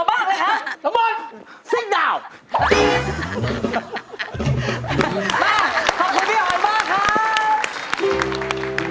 มาขอบคุณพี่อ๋อยมากครับ